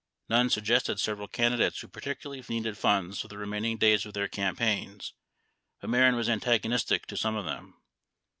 Nunn suggested several candidates who particularly needed funds for the remaining clays of their campaigns, but Mehren wns antag onistic to some of them.